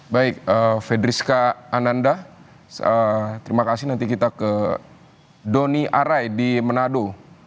baik fedriska ananda terima kasih nanti kita ke doni arai di manado